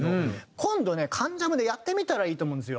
今度ね『関ジャム』でやってみたらいいと思うんですよ。